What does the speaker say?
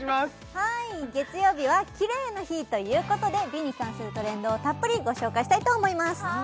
はい月曜日はキレイの日ということで美に関するトレンドをたっぷりご紹介したいと思います